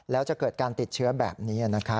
แล้วจะเกิดการติดเชื้อแบบนี้